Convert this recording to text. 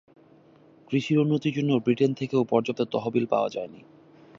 কৃষির উন্নতির জন্য ব্রিটেন থেকেও পর্যাপ্ত তহবিল পাওয়া যায় নি।